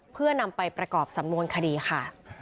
เพื่อนำไปประกอบสำนวนคดีค่ะ